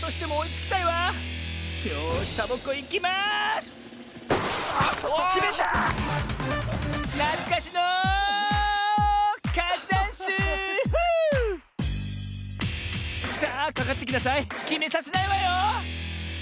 きめさせないわよ！